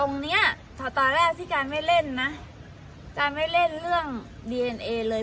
เนี้ยพอตอนแรกที่การไม่เล่นนะการไม่เล่นเรื่องดีเอ็นเอเลย